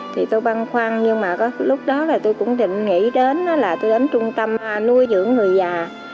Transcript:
thì tôi băn khoăn nhưng mà lúc đó là tôi cũng định nghĩ đến là tôi đến trung tâm nuôi dưỡng người già